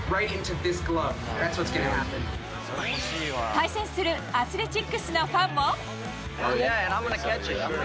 対戦するアスレチックスのファンも。